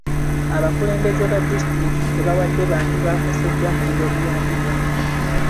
Abakulembeze ba disitulikiti tebawadde bantu baakoseddwa muliro buyambi bwonna.